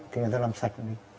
thì người ta làm sạch